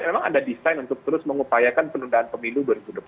memang ada desain untuk terus mengupayakan penundaan pemilu dua ribu dua puluh